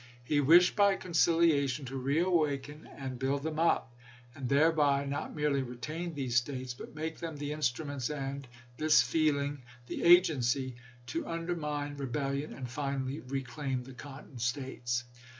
He wished by conciliation to re awaken and build them up ; and thereby not merely retain these States, but make them the instruments, and this feeling the agency, to undermine rebellion and finally reclaim the Cotton States.